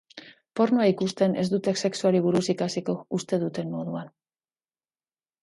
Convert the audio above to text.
Pornoa ikusten ez dute sexuari buruz ikasiko, uste duten moduan.